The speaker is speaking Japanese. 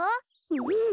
うん。